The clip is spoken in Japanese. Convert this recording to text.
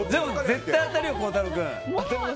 絶対当たるよ孝太郎君。